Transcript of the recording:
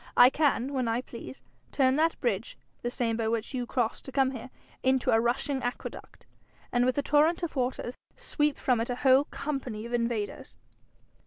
I can, when I please, turn that bridge, the same by which you cross to come here, into a rushing aqueduct, and with a torrent of water sweep from it a whole company of invaders.'